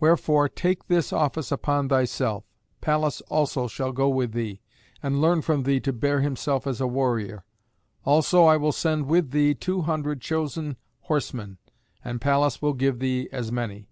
Wherefore take this office upon thyself. Pallas also shall go with thee, and learn from thee to bear himself as a warrior. Also I will send with thee two hundred chosen horsemen, and Pallas will give thee as many."